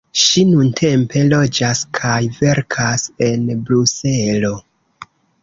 Ŝi nuntempe loĝas kaj verkas en Bruselo.